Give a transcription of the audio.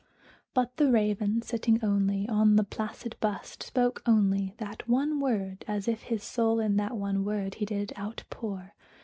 But the Raven, sitting lonely on the placid bust, spoke only That one word, as if his soul in that one word he did outpour.